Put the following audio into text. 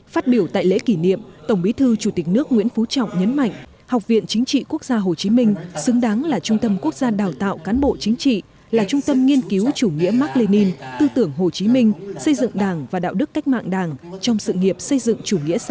phát biểu tại lễ kỷ niệm tổng bí thư chủ tịch nước nguyễn phú trọng nhấn mạnh học viện chính trị quốc gia hồ chí minh xứng đáng là trung tâm quốc gia đào tạo cán bộ chính trị là trung tâm nghiên cứu chủ nghĩa mark lenin tư tưởng hồ chí minh xây dựng đảng và đạo đức cách mạng đảng trong sự nghiệp xây dựng chủ nghĩa xã hội